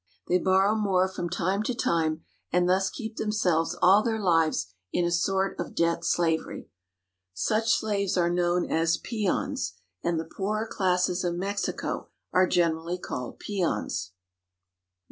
They borrow more from time to time, and thus keep themselves all their lives in a sort of debt slav ery. Such slaves are known as peons, and the poorer classes of Mexico are generally called peons.